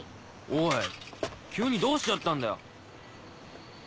おい急にどうしちゃったんだよ。